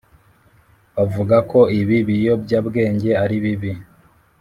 bavuga ko ibi biyobya bwenge ari bibi